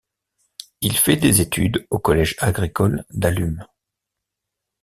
Il fait des études au collège agricole Dalum.